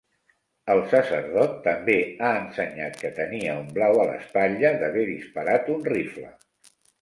El sacerdot també ha ensenyat que tenia un blau a l'espatlla d'haver disparat un rifle.